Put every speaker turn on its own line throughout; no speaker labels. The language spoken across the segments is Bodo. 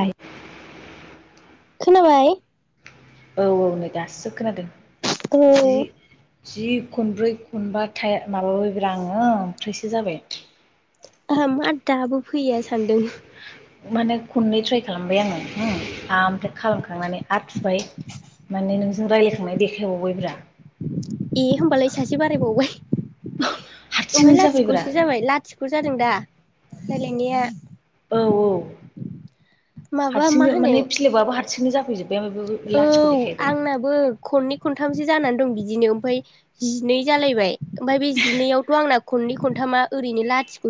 आय
खोनाबाय।
औ औ नै दासो खोनादो।
औ
जि जि खनब्रै खनबा थाया माबाबायब्रा आङो ओमफ्रायसो जाबाय।
आहा मा दाबो फैया सानदों।
माने खननै ट्राइ खालामबाय आङो होम आमफ्राय खालामखांनानै आरो बाय माने नों जों रायलायखांनाय देखायबावबाय ब्रा।
ए होमबालाय सासे बारायबावबाय
हारसिंनो
ओमफाय
जाबायब्रा
लाथिख'सो जाबाय लाथिख' जादों दा रायलायनाया?
औ औ
माबा मा
हारसिंनो
होनो
माने फिलोबाबो हार सिंनो जाफै जोब
औ आंनाबो खननै खनथामसो जानानै दं बिदिनो ओमफाय जिनै जालायबाय। ओमफाय बे जिनैआवथ' आंना खननै खनथामा ओरैनो लाथिख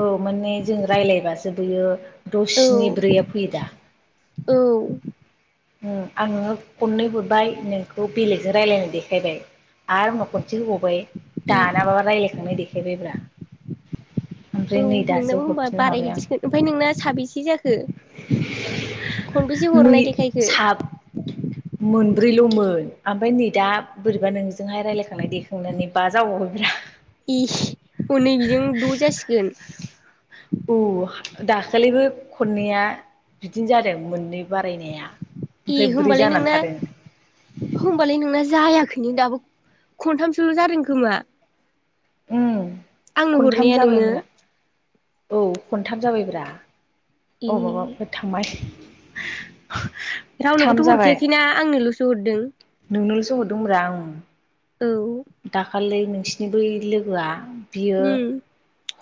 औ माने जों रायलाबासो जोबोयो द'
औ
स्नि ब्रैया फैयोदा।
औ
ओ आंङो खननै हरबाय नोंखौ बेलेगजों रायलायनाय देखायबाय। आरो उनाव खनसे होबावबाय
इ
दानाबाबा रायलायखांनाय देखायबायब्रा।
औ
ओमफ्राय नै दासो
नोंनाबो होनबा
हरफिननो हाबाय आं
बारायहैदि सिगोन ओमफाय नोंना। साबेसे जाखो? खो खनबैसे
नै
हरनाय देखायखो।
साब मोनब्रैल'मोन आमफाय नै दा बोरैबा नोंजोंहाय रायज्लायखांनाय देखांनानै बा जाबावबाय ब्रा।
इ हनै बेजों द' जासिगोन।
औ दाखालिबो खननैया बिदिनो जादों मोननै बारायनाया।
ए
ओमफ्राय ब्रै
होमबालाय
जानानै
नोंना
थादों
होमबालाय नोंना जायाखैनो दाबो खनथामसोल' जादों खोमा ।
उम।
आंनो
खनथाम
हरनाया नोङो
जाबायब्रा
।
औ खनथाम जाबायब्रा।
ए
अबवबाफोर थांबाय? [inaudible] थाम
रावनोबोथ'
जाबाय
हरखायाखैना आंनोलसो हरदों ।
थ हदोंब्रा उम।
औ।
खालै नोंसिनि बै लोगोआ बियो
उम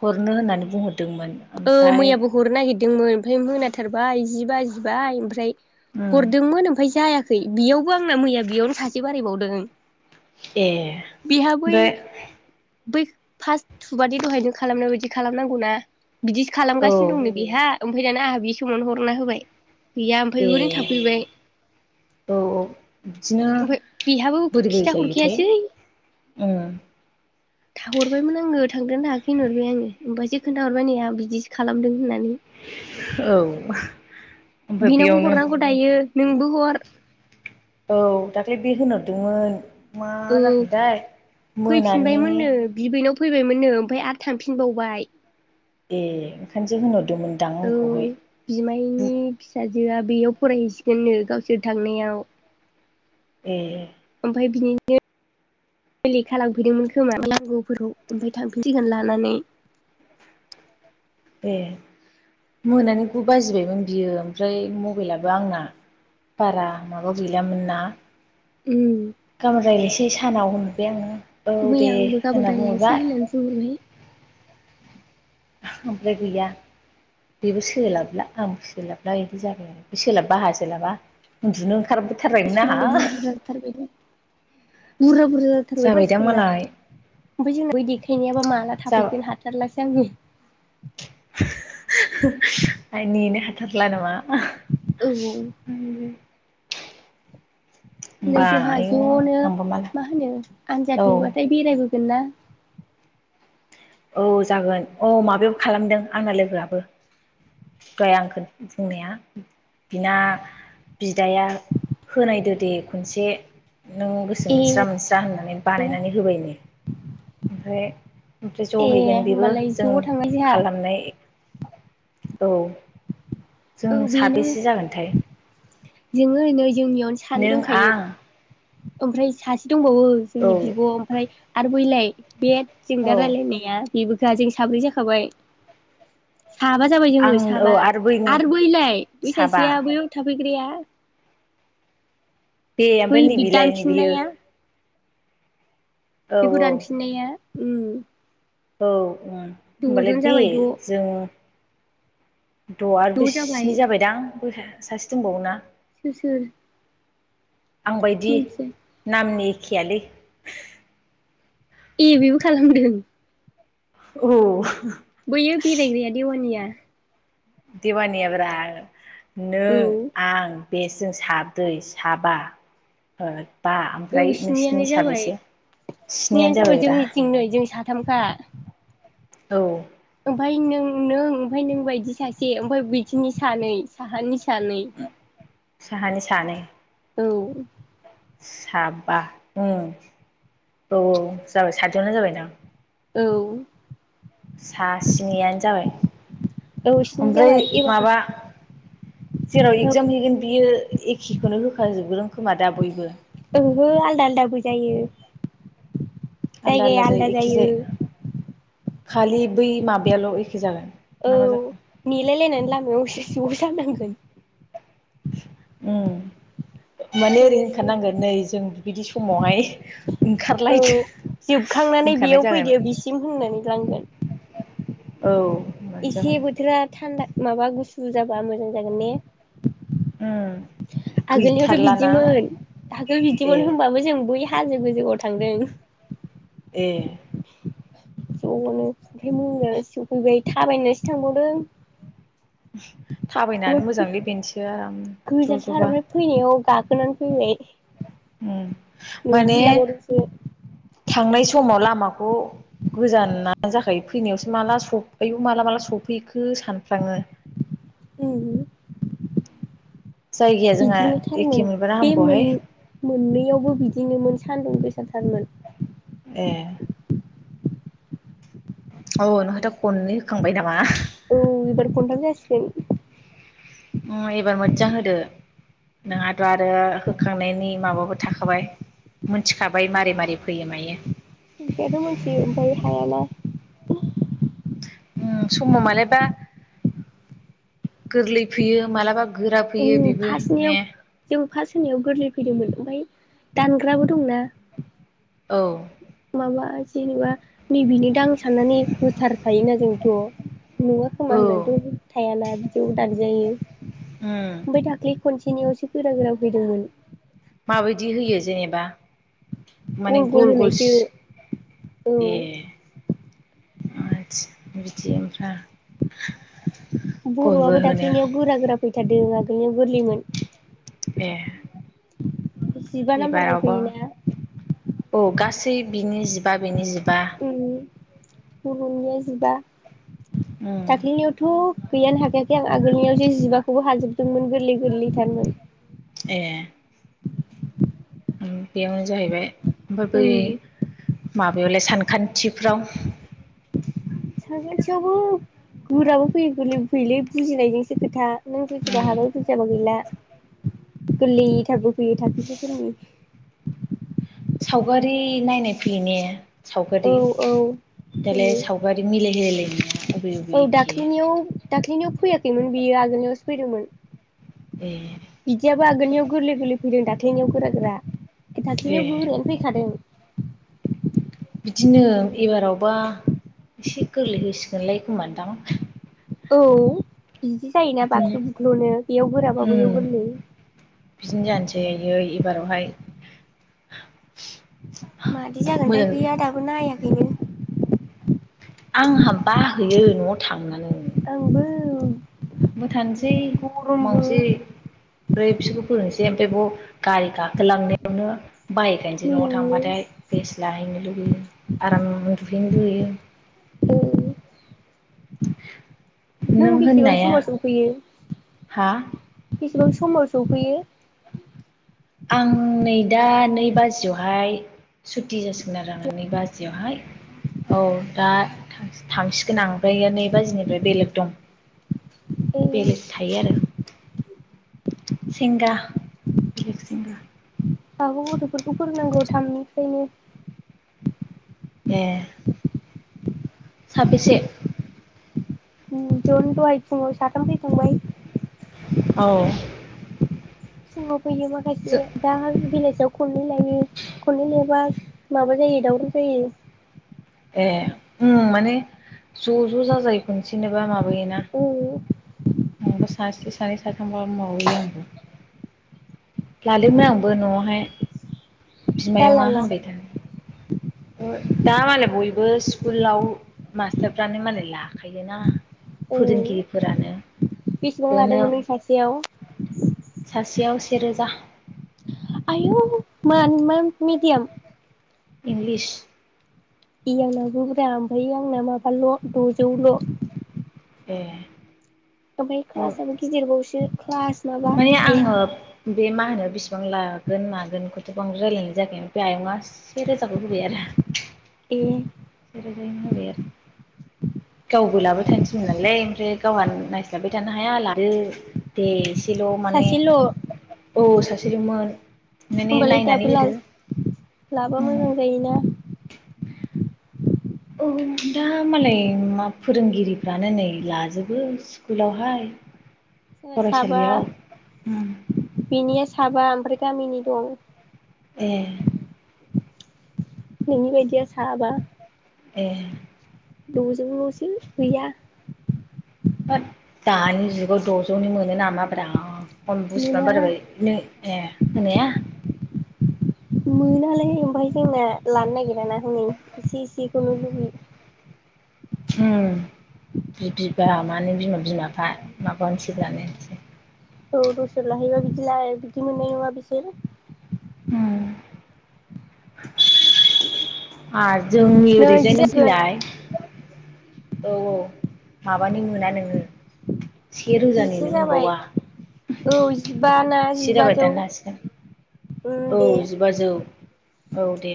हरनो होननानै बुंहरद
औ मैयाबो हरनो नागिरद दोंमोन ओमफ्राय मोनाथारबाय जि बाजिबाय ओमफ्राय
उम
हरदोंमोन ओमफाय जायाखै। खै बियावबो आंना मैया बियावनो सासे बारायबावदों ।
ए ओमफाय
बै फास्त थुबानि दहाय नों खालामनाय बायदि खालामनांगौ ना। बिदिसो
औ
खालामगासिनो दंनो बेहा । ओमफाय दाना आंहा बि समावनो हरना होबाय । गैया ओमफाय
ए
ओरैनो थाफैबाय
औ बिदिनो
ओमफाय बेहाबो
बोरै बोरै
खिथा
जायोथाय
हरखायासै
उम
थाहरबायमोन आङो थांदोंना थांङाखै होनहरबाय आङो। ओमफायसो खोनथा हरबाय ने आ बिदिसो खालामदों होननानै ।
औ। ओमफ्राय
बिनावबो
बेयावनो
हरनांगौ दायो। नोंबो हर।
औ दाख्लै बे होनहरदोंमोन। मा
औ
जाखोथाय मोनानि
फैफिनबायमोननो बिबैनाव फैबायमोननो ओमफ्राय आरो थांफिनबावबाय ।
ए ओंखायनोसों होनर
औ बिमायनि फिसाजो जोआ बेयाव फरायहैसिगोननो गावसोर थांनायाव ।
ए।
[unintelligible] लि खालामफैदोंमोन खोमा नांगौफोरखौ ओमफ्राय थांफिनसिगोना नानि।
ए मोनानि गु बाजिबायमोन बियो ओमफ्राय मबेइलाबो आंना बारा माबा गैलामोन ना
उम
गामार जायलो इसे सानाव हम [unintelligible] आङो। औ दे
मैया आंबो गाबोन
होनना
रायज्लायनोसै
बुंहरबाय
होननानै बुंहरहाय
ओमफ्राय गैया बेबो सोलाबला आंफो सोलाबला बिदि जाबाय आरो बि सोलाबा आहा सोलाबा उन्दुनो ओं ओंखारबोथारबायमोन
मानसिफोरा
आंहा
बुरजा बुरजा जाथारबाय बुरजा बुरजा जाथारबाय
जाबायदां
मानसिफोरना
मालाय
ओमफ्राय जोंनाव बै देखायनायाबा माला थाफैगोन हाथारलासो आङो।
आइ नेनो हाथारला नामा?
औ औ। नै
होमबा
जोंहा
आयु
जनो
आंबा माला
मा होनो
औ
आनजाद हैयबाथाय बेरायबो बिना।
औ जागोन औ माबायाव खालामदों आङो लोगोआबो गाय आंखौ बुंनाया बिना बिदाया होनायदो दे खनसे नों गोसो
ए
मोनस्रा मोनस्रा होननानै बानायनानै होबायनो। ओमफ्राय बे ज
ए
हैगोन बेबो
होमबालाय
जों
ज' थांनाय जोंहा
खालामनाय औ। जों
औ बेनो
साबेसे जागोनथाय?
जोङो नोय जोंनियावनो सानै
नों आं
दंखायो। ओमफ्राय सासे दंबावो
औ
जोंनि बिब ओमफ्राय आरो बैलाय बे
औ
सिंगार रायलायनाया बेबो गा जों साब्रै जाखाबाय। साबा जाबाय
आं
जोङो
औ
साबा।
बैनि
आरो बैलाय बै
साबा
सासेआ बैयाव थाफै ग्राया।
बे ओमफाय नै बिलाय नै बियो
दानफिननाया बेखो दानफिननाया उम।
औ उम होनबालाय
द'जन
दे
जाबाय द'
जों द' आ
ज' जाबाय
बिस्नि जाबायदां? बयहा सासे दंबावो ना?
सोर सोर?
आं बायदि
मिथिया
नामनि खियालै
ए बेबो खालामदों।
औ।
बैयो बेरायग्राया देवानिया
देवानियाब्रा
औ
नों, आं बे जों साबदै साबा ओ
औ स्नियानो जाबाय, स्नियानो जाबाय जोंनिथिं नै जों सा थामखा
औ
ओमफाय नों नों ओमफाय नों बायदि सासे ओमफाय बैथिनि सानै साहानि सा सानैै।
साहानि सानै।
औ।
साबा ओ औ औ जाबाय साद जनना जाबाय दां।
औ।
सा स्नियानो जाबाय
औ स्नि
ओमफ्राय
जाबाय
माबा
एबार
जेराव
औ
एगजाम हैगोन बियो एखेखौनो होखाजोबदों खोमा दा बयबो।
ओहो आलदा, आलदाबो जायो। जायगाया आलदा जायो।
खालि बै माबायाल' एखे जागोन।
औ
ना मा जाखो
नेेलायलायनानै लामायावसो ज' जानांगोन।
उम माने ओरै
होमबासो जागोन
होनखानांगोन नै जों बिदि समावहाय
औ
ओंखारलायदो
जोबखांनानै
होनखानाय
बेयाव
जागोन
फैदो बिसिम होननानै लांगोन।
औ होनबानो जागोन
इसे बोथोरा थान्दा माबा गुसु जाबा मोजां जागोन ने?
ओम
आगोलनियावथ' बिदिमोन आगोल
ए
बिदिमोन होनबाबो जों बै हाजो गोजौआव थांदों।
ए
ज'नो ओमफ्राय मोननानैसो सफैबाय थाबायनानैसो थांबावदों।
थाबायनानै
ओमफ्राय
मोजाङै बेनोसै आराम ज'
गोजानथार
ज'बा।
ओमफ्राय फैनायाव गाखोनानै फैबाय। नैजि
माने
लाबावदोंसो
थांनाय समाव लामाखौ गोजानानो जाखायो फैनायावसो माला सफ आयु माला माला सफैखो सानफ्राङो
उम
जायगाया जोंहा
बिदिनो
एखे
थारमोन
मोनबाना
बे
हामगौहाय
मोन-मोननैयावबो बिदिनो मोन। सान्दुं गोसाथारमोन।
ए। औ नोंहाथ' खननै होखांबाय नामा?
औ इबार जासिगोन।
एबार मोजां होदो नोंहाथ' आरो होखांनायनि माबाबो थाखाबाय मोनथिखाबाय मारै मारै फैयो मायो।
मिथिनायाथ' मिथियो ओमफ्राय हायाना।
उ समाव मालाबा गोरलै फैयो मालाबा गोरा फैयो बेबो ने
फास होनायाव गोरलै फैदोंमोन ओमफ्राय दानग्राबो दंना।
औ
[unintelligible] नैबेनोदां साननानै होथारखायोना जोंथ' नंगौ खोमा
औ
होननानैथ' थायाना बिदियाव दागजायो
उम
ओमफ्राय दाख्लै खनसेनियावसो गोरा गोरा फैदोंमोन।
माबायदि होयो जेनेबा?
गल गल होनायसो औ।
आतसा बिदि ओमफ्राय गल गल
बर'आबो
होनो
दाख्लैनियाव गोरा गोरा फैथारदों आगोलनो गोरलैमोन।
ए
जिबा नाम्बारनि
एबारावबो
फैयोना?
औ गासै बिनि जिबा बेनि जिबा।
ओं ब'रनिया जिबा।
उम
दाख्लिनियावथ' गैयानो हाखायाखै आं आगोलनियाव जे जिबाखौबो हाजोबदोंमोन गोरलै गोरलैथारमोन।
ए बेयावनो जाहैबाय। ओमफाय बै
उम
माबायावलाय सानखान्थिफ्राव?
सानखान्थियावबो गोराबो फैयो गोरलैबो फैयोलै बुजिनायजोंसो खोथा। नों
उम
फैथिहागो फैसाबो गैला । गोललै थाग फैयै थाखोसेफोरनि
सावगारि नायनाय फै ने
औ
सावगारि
औ
दालाय
फैयो
सावगारि मिलाय होलायलायनाय [unintelligible]
औ दाख्लिनियाव दाख जिनियाव फैयाखैमोन बियो आगोलनो फैदोंमोन
ए
। बिदियाबा आगनियाव गोरलै गोरलै फैदों दाक्लिनियाव गोरा गोरा ।
ए
दाक्लिनियाव गोरायानो फैखादों ।
बिदिनो एबारावबा एसे गोरलै होसिगोनलाय खोमां दां ।
औ बिदि जायोना बाख्लु बुख्लुनो बेयाव गोराबा
उम
बेयाव गोरलै ।
बारावहाय
मादि जागोनथाय गैया दाबो नाया बिनो
आंहा बाहोयो न'आव थांनानै
आंबो
मोटान दै
गरमबो
माउजि ब्रै बिसोरखौ फोरोंसै ओमफ्राय ब गारि गाखोलांनायावनो बाइखायनोसै न'आव
मेङो
थांबाथाय फेस लाहैनो दोगो आराम दुहैनो लुुयैयो ।
औ
नों
बेसेबां
होननाया
समाव
हा
बिसिबां समाव सफैयो
आं नै दा नै बाजियावहाय सुटि जासिगोन आरो आङो नै बाजियावहाय औ दा थांसिगोन आं ओमफ्राय नै बाजिनिफ्राय बेलेग दं
ए
बेलेग थायो आरो । सेंगा बेलेग सेंगा ।
आंबो गथ'फोरखौ फोरोंनांगौ थामनिफ्रायनो ।
ए साबैसे?
जन‌ दहाय फुङाव साथाम फैखांबाय ।
औ।
फुङाव फैयो
जों
माखासे दा बेलाेसियाव खननै लायो खननै लायबा माबा जायो दावरो जायो ।
ए उ माने ज' ज' जाजाय खनसेनोबा माबा
औ।
आंबा सासे सानै साथाम गाहाम माबायो आंबो लादोंमोन आंबो न'आवहाय।
दाला
बिमायंआ
ला
होनबाय था। ओ दा मानो बयबो स्कुलाव मास्टारफ्रानो मालाय लाखायोना ।
ओ
फोरोंगिरिफोरानो
बेसेबां
बेनो
लादोंमोन नों सासेयाव
सासेयाव सेे रोजा ।
आयौ मान मा मिडियाम?
इंलिस।
[unintelligible] ब्रा ओमफाय आंना माबाल द'जौल' ।
ए।
ओमफ्राय
औ
क्लासआबो गिदिरबावसो । क्लास। माबा
माने आङो
आया।
बे मा होनो बिसिबां लागोन मागोन खौथ' बांद्राय रायज्लायनाय जायाखै ओमफ्राय आयंआ से रोजाखौ होबाय आरो।
ए।
नों होबाय आरो? गावबो लाबाय थानो थिनो नालाय ओमफ्राय गावहा नायस्लाबाय थानो हाया लादो दे। सेल' माने
सासेल'
औ सासेल'मोन। माने
होमबालाय
नायनानै
दाबो
होदो
ला-लाबा मोजां जायोना।
औ, दा मालाय मा फोरोंगिरिफ्रानो नै लाजोबो स्कुलावहाय।
जोङो साबा
फरायसालियाव
बेनि साबा ओमफ्राय गामिनि दं।
ए।
नोंनि बायदिया साबा।
ए।
द'जौ लसो गैया।
होथ, दानि जुगाव द'जौनि मोनो नामा ब्रा? अल बुस्थुवानो
मोना
बारायबायनो ए होनाया?
मोनालै ओमफ्राय जोंना लानो नागिराना हनै एसे एसेखौल लुबैयो।
[unintelligible] बिबा माने बिमा बिमाफ्रा माबामोनसे बायनायसै।
औ दस्रायाव लाहैबा बिदि बिदि मोननाय नङा बिसोर।
[unintelligible] जोंनि
नै
ओरैजाय
जि
नों
जागोन
फैलाय। औ-औ माबानो मोना नोङो। से रोजानिनो
जिसे जाबाय
मोनबावा,
औ जिबा ना
सेक जाबाय
जिबाजौ
दाननो हासिगोन,
उम
औ
दे
जिबाजौ। औ दे।